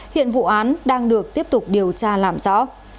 hiện vụ án đang được tiếp tục điều tra làm rõ